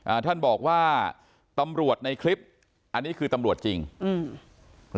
ท่านบอกว่าตำรวจในคลิปอันนี้คือตำรวจจริงอืม